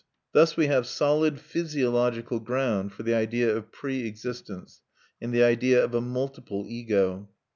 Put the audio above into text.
Thus we have solid physiological ground for the idea of pre existence and the idea of a multiple Ego.